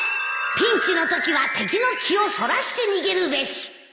ピンチのときは敵の気をそらして逃げるべし